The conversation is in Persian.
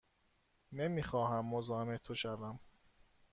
نمی خواهم مزاحم تو شوم.